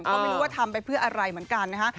ก็ไม่รู้ว่าทำไปเพื่ออะไรเหมือนกันนะฮะ